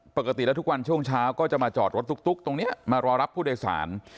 ปกติแล้วทุกวันช่วงเช้าก็จะมาจอดรถตุ๊กตรงนี้มารอรับผู้โดยสาร